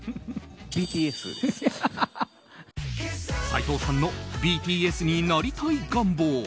斎藤さんのＢＴＳになりたい願望。